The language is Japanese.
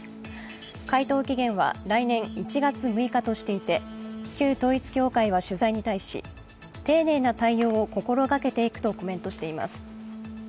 回答期限は来年１月６日としていて旧統一教会は取材に対し丁寧な対応を心掛けていくとコメントしています。